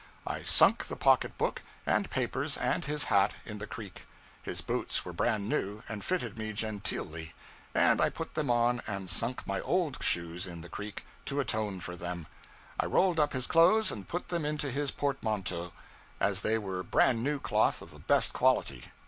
I sunk the pocket book and papers and his hat, in the creek. His boots were brand new, and fitted me genteelly; and I put them on and sunk my old shoes in the creek, to atone for them. I rolled up his clothes and put them into his portmanteau, as they were brand new cloth of the best quality.